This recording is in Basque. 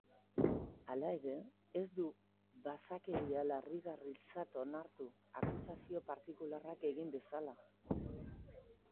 Hala ere, ez du basakeria larrigarritzat onartu, akusazio partikularrak egin bezala.